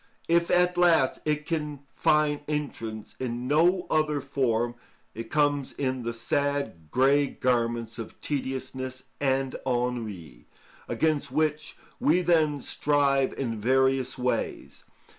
If at last it can find entrance in no other form, it comes in the sad, grey garments of tediousness and ennui, against which we then strive in various ways.